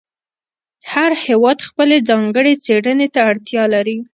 هر هېواد خپلې ځانګړې څېړنې ته اړتیا لري.